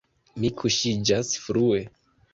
Mi kuŝiĝas frue.